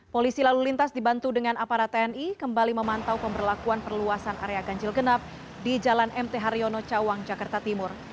polisi lalu lintas dibantu dengan aparat tni kembali memantau pemberlakuan perluasan area ganjil genap di jalan mt haryono cawang jakarta timur